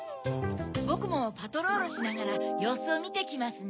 ボクもパトロールしながらようすをみてきますね。